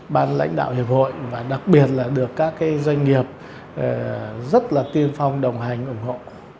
ban lãnh đạo hiệp hội và đặc biệt là được các doanh nghiệp rất là tiên phong đồng hành ủng hộ